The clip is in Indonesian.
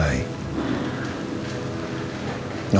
aku pastikan perintahmu